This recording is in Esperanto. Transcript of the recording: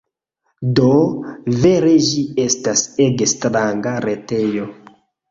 Do, vere ĝi estas ege stranga retejo.